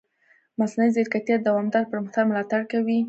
مصنوعي ځیرکتیا د دوامدار پرمختګ ملاتړ کوي.